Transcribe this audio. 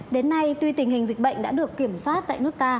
đến nay tuy tình hình dịch bệnh đã được kiểm soát tại nước ta